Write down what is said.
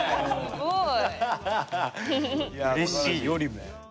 すごい。